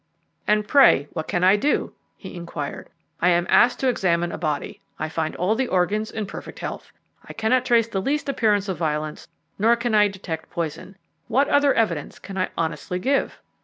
"And, pray, what can I do?" he inquired. "I am asked to examine a body. I find all the organs in perfect health; I cannot trace the least appearance of violence, nor can I detect poison. What other evidence can I honestly give?"